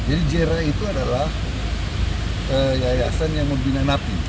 jadi jira itu adalah yayasan yang membina nafi